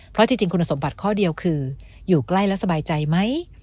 เพราะจริงคุณสมบัติข้อเดียวคืออยู่ใกล้แล้วสบายใจไหม